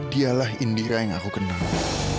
dialah indira yang aku kenal